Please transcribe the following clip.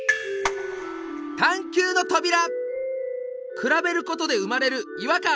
比べることで生まれる違和感。